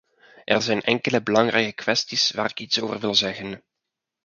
Er zijn enkele belangrijke kwesties waar ik iets over wil zeggen.